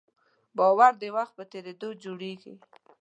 باور د وخت په تېرېدو جوړېږي.